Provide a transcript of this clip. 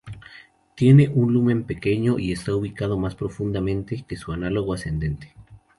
Tiene un lumen pequeño y está ubicado más profundamente que su análogo ascendente.